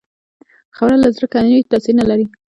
خبره له زړه که نه وي، تاثیر نه لري